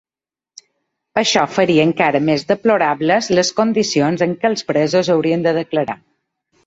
Això faria encara més deplorables les condicions en què els presos haurien de declarar.